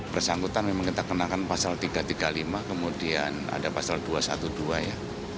bersangkutan memang kita kenakan pasal tiga ratus tiga puluh lima kemudian ada pasal dua ratus dua belas ya